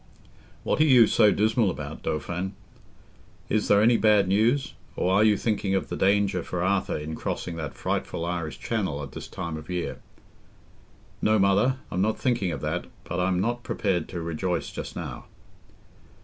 "What are you so dismal about, Dauphin? Is there any bad news? Or are you thinking of the danger for Arthur in crossing that frightful Irish Channel at this time of year?" "No, Mother, I'm not thinking of that; but I'm not prepared to rejoice just now."